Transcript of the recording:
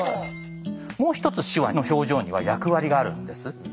もう一つ手話の表情には役割があるんです。